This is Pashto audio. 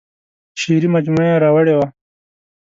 شعري مجموعه یې راوړې وه.